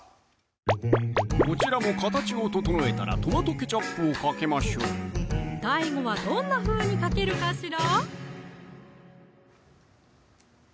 こちらも形を整えたらトマトケチャップをかけましょうＤＡＩＧＯはどんなふうにかけるかしら？